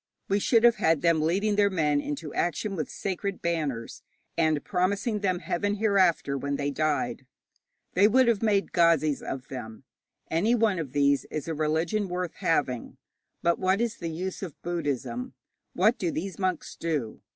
We should have had them leading their men into action with sacred banners, and promising them heaven hereafter when they died. They would have made Ghazis of them. Any one of these is a religion worth having. But what is the use of Buddhism? What do these monks do?